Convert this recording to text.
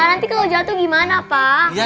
nanti kalau jatuh gimana pak